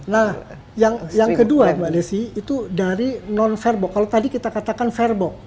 nah yang kedua mbak desi itu dari non fairbox kalau tadi kita katakan fairbox